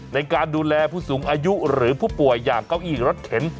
ในการดูแลผู้สูงอายุหรือผู้ป่วยอย่างเก้าอี้รถเข็น